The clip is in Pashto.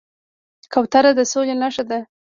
کوتره د سولې نښه ده